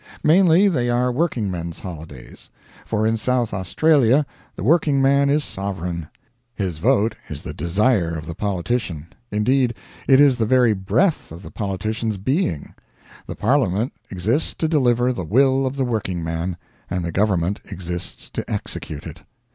Mainly they are workingmen's holidays; for in South Australia the workingman is sovereign; his vote is the desire of the politician indeed, it is the very breath of the politician's being; the parliament exists to deliver the will of the workingman, and the government exists to execute it.